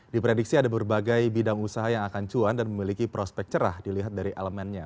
diprediksi ada berbagai bidang usaha yang akan cuan dan memiliki prospek cerah dilihat dari elemennya